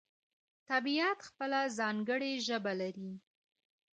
طبیعت خپله ځانګړې ژبه لري.